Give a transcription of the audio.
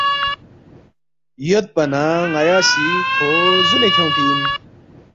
یودپا نہ ن٘یا سی کھو زُونے کھیونگفی اِن